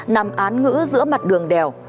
nằm án ngữ giữa mặt đường đèo